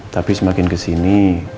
tapi semakin kesini